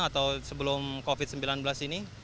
atau sebelum covid sembilan belas ini